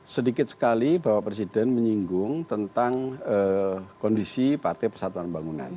sedikit sekali bahwa presiden menyinggung tentang kondisi partai persatuan pembangunan